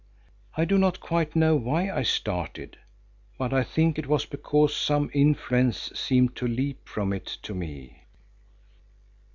I do not quite know why I started, but I think it was because some influence seemed to leap from it to me.